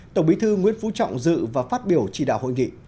tổng bí thư nguyễn phú trọng dự và phát biểu chỉ đạo hội nghị